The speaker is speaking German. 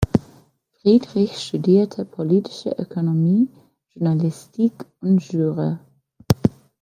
Friedrich studierte Politische Ökonomie, Journalistik und Jura.